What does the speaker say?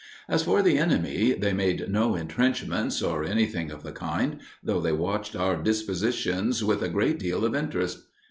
As for the enemy, they made no entrenchments or anything of the kind, though they watched our dispositions with a great deal of interest.